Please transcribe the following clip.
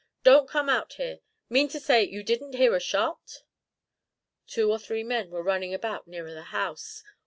"Don't come out here. Mean to say you didn't hear a shot?" Two or three men were running about nearer the house.